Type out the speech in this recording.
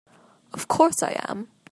Of course I am!